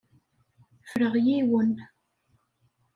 Ffreɣ yiwen.